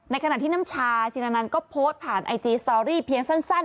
ขณะที่น้ำชาชินันก็โพสต์ผ่านไอจีสตอรี่เพียงสั้น